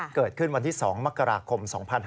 เกิดขึ้นวันที่๒มกราคม๒๕๕๙